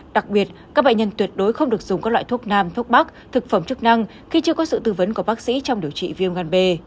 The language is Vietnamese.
đặc biệt các bệnh nhân tuyệt đối không được dùng các loại thuốc nam thuốc bắc thực phẩm chức năng khi chưa có sự tư vấn của bác sĩ trong điều trị viêm gan b